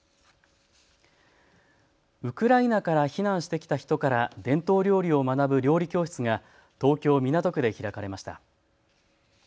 ウクライナから避難してきた人から伝統料理を学ぶ料理教室が東京港区で開かれました。